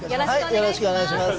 よろしくお願いします。